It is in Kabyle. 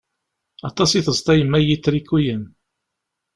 Aṭas i tezḍa yemma n yitrikuyen.